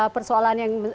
persoalan yang benar benar